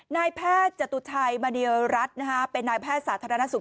นายแพทย์จตุชัยมณีรัฐเป็นนายแพทย์สาธารณสุข